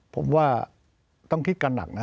ผมว่าต้องคิดกันหนักนะ